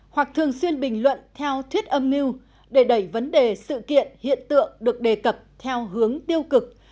hoặc thường xuyên bình luận theo thuyết âm mưu để đẩy vấn đề sự kiện hiện tượng được đề cập theo hướng tiêu cực